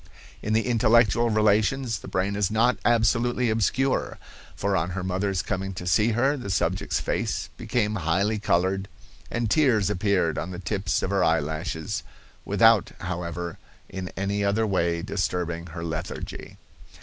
"In the intellectual relations the brain is not absolutely obscure, for on her mother's coming to see her the subject's face became highly colored, and tears appeared on the tips of her eyelashes, without, however, in any other way disturbing her lethargy.